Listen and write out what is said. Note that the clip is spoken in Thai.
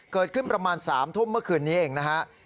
เกิดขึ้นประมาณ๓ทุ่มเมื่อคืนนี้เองนะฮะ